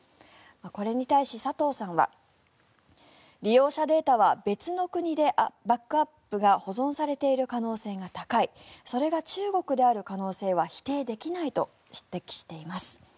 これに対し、佐藤さんは利用者データは別の国でバックアップが保存されている可能性が高いそれが中国である可能性は否定できないと指摘しています。